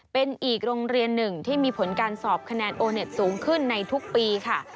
เป็นอีกโรงเรียนหนึ่งที่มีผลการสอบคะแนนโอเน็ตสูงขึ้นในทุกปีค่ะ